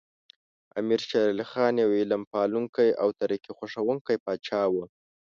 امیر شیر علی خان یو علم پالونکی او ترقي خوښوونکی پاچا و.